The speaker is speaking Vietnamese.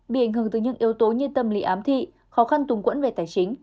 bị ảnh hưởng từ những yếu tố như tâm lý ám thị khó khăn tùng quẫn về tài chính